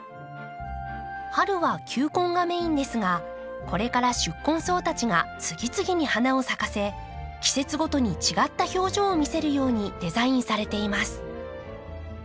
春は球根がメインですがこれから宿根草たちが次々に花を咲かせ季節ごとに違った表情を見せるようにデザインされています。